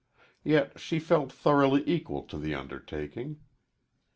Yet she felt thoroughly equal to the undertaking.